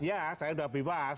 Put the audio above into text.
ya saya udah bebas